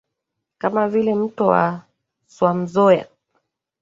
kama vile mto wa swam zoya